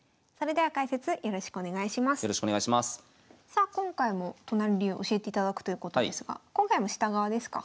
さあ今回も都成流教えていただくということですが今回も下側ですか？